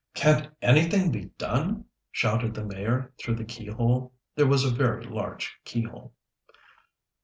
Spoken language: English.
"Can't anything be done?" shouted the Mayor through the keyhole there was a very large keyhole.